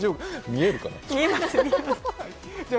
見えるかな？